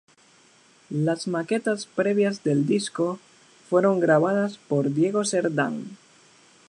Las maquetas previas del disco fueron grabadas por Diego Cerdán.